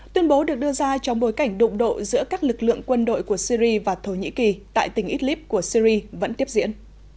tuyên bố được đưa ra trong bối cảnh đụng độ giữa các lực lượng quân đội của syri và thổ nhĩ kỳ tại tỉnh idlib của syri vẫn tiếp diễn